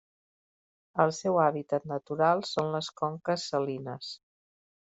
El seu hàbitat natural són les conques salines.